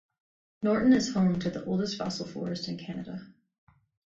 Norton is home to the oldest fossil forest in Canada.